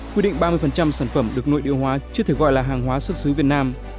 quy định ba mươi sản phẩm được nội địa hóa chưa thể gọi là hàng hóa xuất xứ việt nam